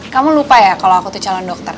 kamu lupa ya kalau aku tuh calon dokter